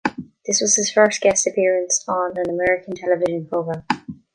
This was his first guest appearance on an American television programme.